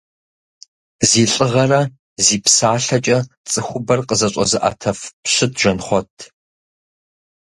Зи лӏыгъэрэ зи псалъэкӏэ цӏыхубэр къызэщӏэзыӏэтэф пщыт Жэнхъуэт.